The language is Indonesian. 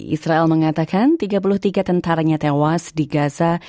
israel mengatakan tiga puluh tiga tentaranya tewas di gaza